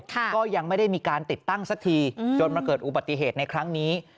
ก็ยังไม่ได้มีการติดตั้งสักทีจนมาเกิดอุบัติเหตุในครั้งนี้